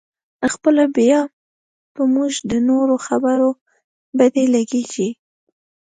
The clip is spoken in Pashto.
خپله بیا په موږ د نورو خبرې بدې لګېږي.